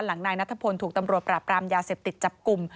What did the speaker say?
นายนัทพลถูกตำรวจปราบรามยาเสพติดจับกลุ่ม